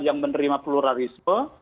yang menerima pluralisme